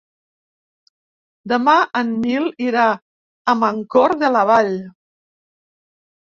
Demà en Nil irà a Mancor de la Vall.